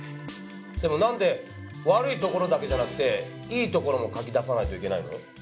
でもなんで悪いところだけじゃなくていい所も書き出さないといけないの？